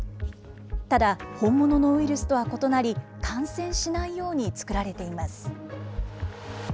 ただ、本物のウイルスとは異なり、感染しないように作られています。